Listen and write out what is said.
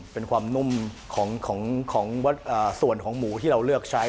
เป็นความนุ่มของส่วนของหมูที่เราเลือกใช้